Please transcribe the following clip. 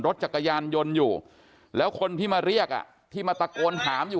รถจักรยานยนต์อยู่แล้วคนที่มาเรียกอ่ะที่มาตะโกนถามอยู่